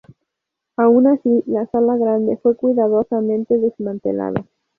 Aun así, la Sala Grande fue cuidadosamente desmantelada.